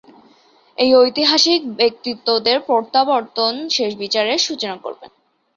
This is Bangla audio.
এই ঐতিহাসিক ব্যক্তিত্বদের প্রত্যাবর্তন শেষ বিচারের সূচনা করবে।